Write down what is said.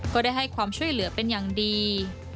ก็ได้ให้ความช่วยเหลือเป็นอย่างดี